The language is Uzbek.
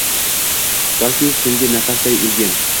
Toki so‘nggi nafasday o‘lgin.